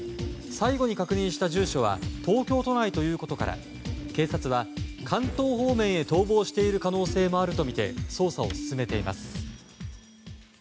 最後に確認した住所は東京都内ということから警察は、関東方面へ逃亡している可能性もあるとみて捜査を進めています。